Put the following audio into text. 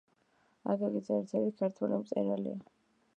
აკაკი წერეთელი ქართველი მწერალია